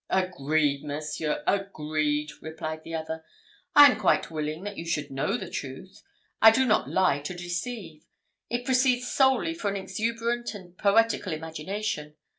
"Agreed, monseigneur, agreed," replied the other; "I am quite willing that you should know the truth. I do not lie to deceive. It proceeds solely from an exuberant and poetical imagination.